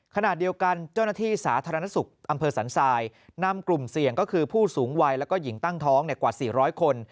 ขณะเดียวกันเจ้าหน้าที่สาธารณสุขอำเภอสันทรายนำกลุ่มเสี่ยงก็คือผู้สูงวัยแล้วก็หญิงตั้งท้องกว่า๔๐๐คน